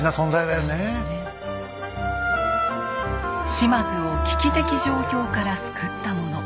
島津を危機的状況から救ったもの。